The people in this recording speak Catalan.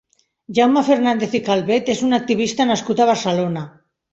Jaume Fernàndez i Calvet és un activista nascut a Barcelona.